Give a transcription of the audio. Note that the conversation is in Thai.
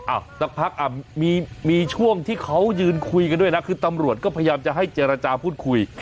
สักพักอ่ะมีช่วงที่เขายืนคุยกันด้วยนะคือตำรวจก็พยายามจะให้เจรจาพูดคุย